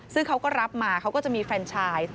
ซึ่งเขาก็รับมาเขาก็จะมีแฟนชาย